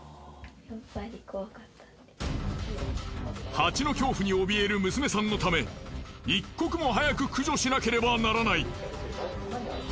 ハチの恐怖に怯える娘さんのため一刻も早く駆除しなければならない。